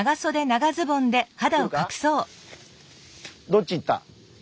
どっち行った？